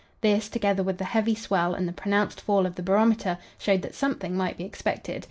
This, together with the heavy swell and the pronounced fall of the barometer, showed that something might be expected.